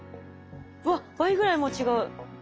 わっ倍ぐらいもう違う。